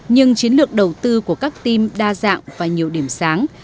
nhưng chiến lược đầu tư của các team đa dạng và nhiều điểm sáng